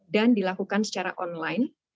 dan dilakukan secara online